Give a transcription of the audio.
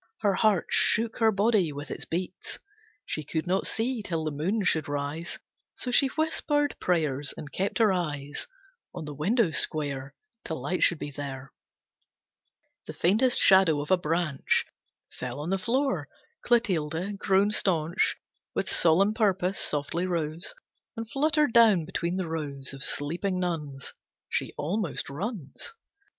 Her heart shook her body with its beats. She could not see till the moon should rise, So she whispered prayers and kept her eyes On the window square Till light should be there. The faintest shadow of a branch Fell on the floor. Clotilde, grown staunch With solemn purpose, softly rose And fluttered down between the rows Of sleeping nuns. She almost runs.